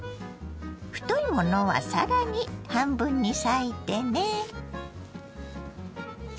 太いものはさらに半分に裂いてね。